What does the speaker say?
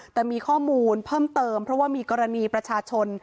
แต่มีข้อมูลเพิ่มเติมเพราะว่ามีกรณีประชาชน